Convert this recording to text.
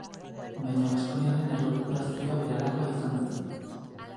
Baina baskoniarren errekuperazioa berehalakoa izan zen.